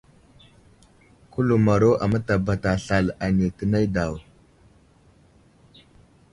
Kuləmaro a mətabata slal ane tə nay daw.